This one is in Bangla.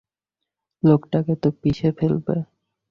লোকটাকে তো পিষে ফেলবে!